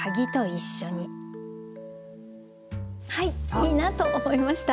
いいなと思いました。